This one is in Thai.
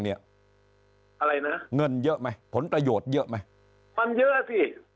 เงินเยอะมั้ยผลประโยชน์เยอะมั้ยมันเยอะสิ